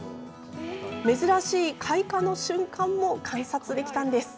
珍しい開花の瞬間も観察できたんです。